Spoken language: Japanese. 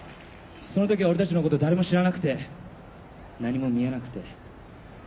そのときは俺たちのこと誰も知らなくて何も見えなくて。